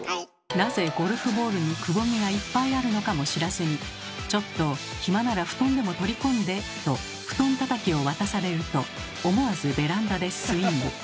なぜゴルフボールにくぼみがいっぱいあるのかも知らずに「ちょっと暇なら布団でも取り込んで」と布団たたきを渡されると思わずベランダでスイング。